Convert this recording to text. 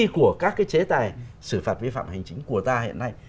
của các cái chế tài xử phạt vi phạm hành chính của ta hiện nay